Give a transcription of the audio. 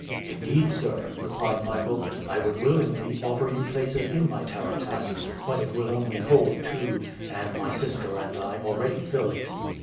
"Indeed, sir," replied Michael, "I would willingly offer you places in my tarantass, but it will only hold two, and my sister and I already fill it."